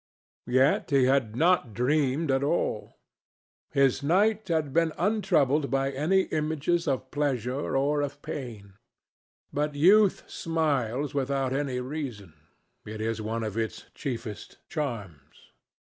Yet he had not dreamed at all. His night had been untroubled by any images of pleasure or of pain. But youth smiles without any reason. It is one of its chiefest charms.